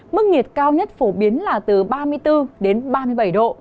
mức nhiệt cao nhất phổ biến là từ ba mươi bốn đến ba mươi bảy độ